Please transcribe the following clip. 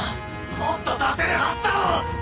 もっと出せるはずだろ！